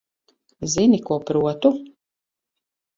Zini, ko protu?